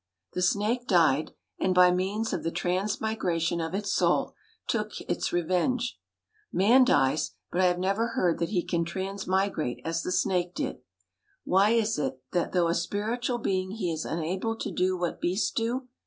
The snake died, and by means of the transmigration of its soul took its revenge. Man dies, but I have never heard that he can transmigrate as the snake did. Why is it that though a spiritual being he is unable to do what beasts do?